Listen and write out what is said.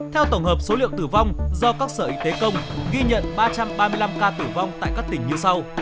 theo tổng hợp số liệu tử vong do các sở y tế công ghi nhận ba trăm ba mươi năm ca tử vong tại các tỉnh như sau